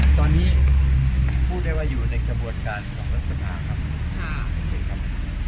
ตอนนี้พูดได้ว่าอยู่ในกระบวนการของลักษณะครับโอเคครับ